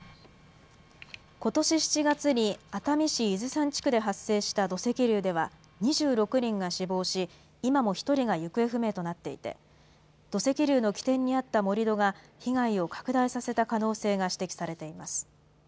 ことし７月に熱海市伊豆山地区で発生した土石流では、２６人が死亡し、今も１人が行方不明となっていて、土石流の起点にあった盛り土が、被害を拡大させた可能性が指摘されています。